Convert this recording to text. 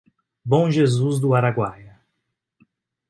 Bom Jesus do Araguaia